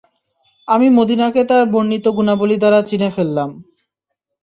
আমি মদীনাকে তার বর্ণিত গুণাবলী দ্বারা চিনে ফেললাম।